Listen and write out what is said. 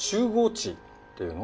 知っていうの？